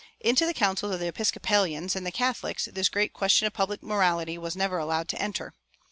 Into the councils of the Episcopalians and the Catholics this great question of public morality was never allowed to enter.